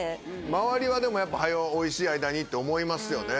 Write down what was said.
周りはでもやっぱ早おいしい間にって思いますよね。